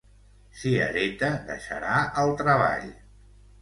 Si hereta deixarà el treball.